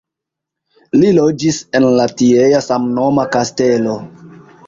Li loĝis en la tiea samnoma kastelo.